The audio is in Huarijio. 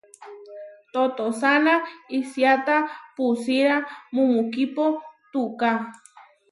Totosána isiáta pusíra mumukipo tuká.